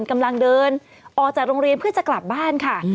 กำลังเดินออกจากโรงเรียนเพื่อจะกลับบ้านค่ะ